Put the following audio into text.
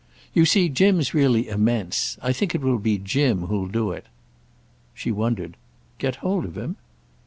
"You see Jim's really immense. I think it will be Jim who'll do it." She wondered. "Get hold of him?"